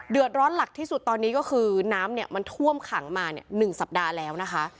เดือดร้อนหลักที่สุดตอนนี้ก็คือน้ำมันท่วมขังมา๑สัปดาห์แล้วนะคะ